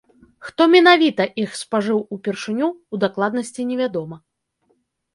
Хто менавіта іх спажыў упершыню, у дакладнасці невядома.